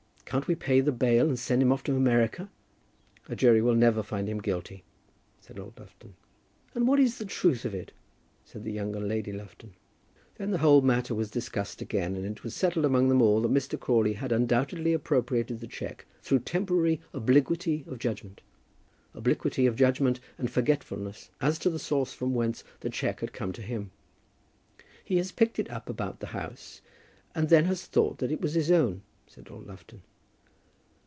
Can't we pay the bail, and send him off to America?" "A jury will never find him guilty," said Lord Lufton. "And what is the truth of it?" asked the younger Lady Lufton. Then the whole matter was discussed again, and it was settled among them all that Mr. Crawley had undoubtedly appropriated the cheque through temporary obliquity of judgment, obliquity of judgment and forgetfulness as to the source from whence the cheque had come to him. "He has picked it up about the house, and then has thought that it was his own," said Lord Lufton.